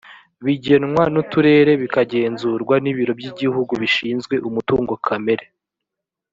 bigenwa n’uturere bikagenzurwa n’ibiro by’igihugu bishinzwe umutungo kamere